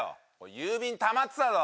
郵便たまってたぞ。